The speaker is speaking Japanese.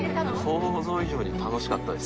想像以上に楽しかったです。